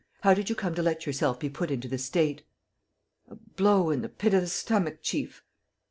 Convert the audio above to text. How did you come to let yourself be put into this state?" "A blow in the pit of the stomach, chief.